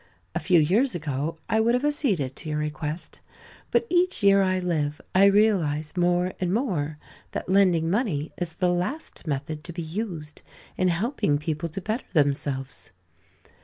A few years ago I would have acceded to your request. But each year I live I realize more and more that lending money is the last method to be used in helping people to better themselves.